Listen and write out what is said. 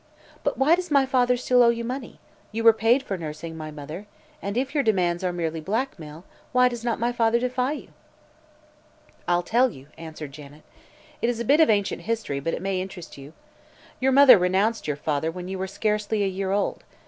"But why does my father still owe you money? You were paid for nursing my mother. And, if your demands are merely blackmail, why does not my father defy you?" "I'll tell you," answered. Janet. "It is a bit of ancient history, but it may interest you. Your mother renounced your father when you were scarcely a year old.